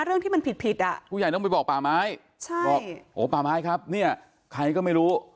เรื่องที่มันผิดผิดอ่ะผู้ใหญ่ต้องไปบอกป่าไม้ใช่บอกโอ้ป่าไม้ครับเนี่ยใครก็ไม่รู้